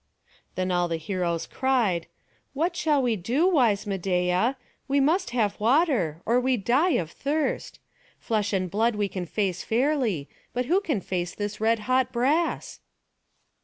Then all the heroes cried, "What shall we do, wise Medeia? We must have water, or we die of thirst. Flesh and blood we can face fairly; but who can face this red hot brass?"